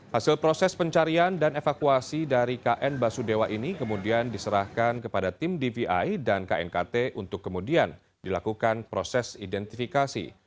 hasil proses pencarian dan evakuasi dari kn basudewa ini kemudian diserahkan kepada tim dvi dan knkt untuk kemudian dilakukan proses identifikasi